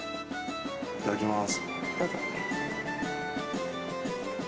いただきます。